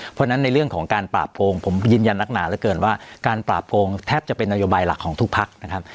เพราะฉะนั้นในเรื่องของการปราบโกงผมยืนยันนักหนาเหลือเกินว่าการปราบโกงแทบจะเป็นนโยบายหลักของทุกพักนะครับ